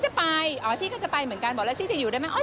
อ่อชิก็จะไปเหมือนกันบอกล่ะฉี่จะอยู่ได้ไหม